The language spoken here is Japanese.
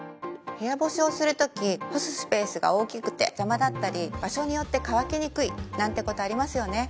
部屋干しをするとき干すスペースが大きくて邪魔だったり場所によって乾きにくいなんてことありますよね